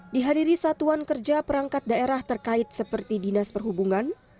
dihadiri satuan kerja perangkat daerah terkait seperti dinas perhubungan